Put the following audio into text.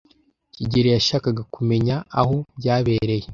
kigeli yashakaga kumenya aho byabereye.